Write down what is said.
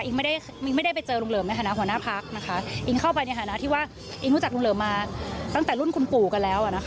ไม่ได้ไปเจอลุงเหลิมในฐานะหัวหน้าพักนะคะอิงเข้าไปในฐานะที่ว่าอิ๊งรู้จักลุงเหลิมมาตั้งแต่รุ่นคุณปู่กันแล้วอ่ะนะคะ